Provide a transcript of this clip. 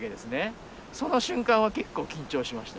その瞬間は結構緊張しました。